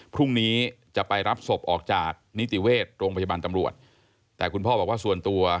พรุ่งนี้จะไปรับศพออกจากนิติเวชโรงพยาบาลตำรวจแต่คุณพ่อบอกว่าส่วนตัว